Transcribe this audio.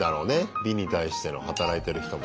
美に対しての働いてる人も。